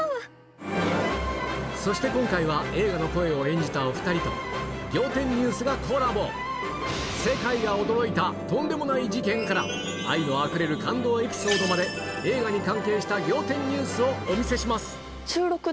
そして今回は映画の声を演じたお２人と『仰天ニュース』がコラボ世界が驚いたとんでもない事件から愛のあふれる感動エピソードまでをお見せします